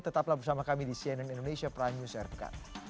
tetaplah bersama kami di sianian indonesia prime news rk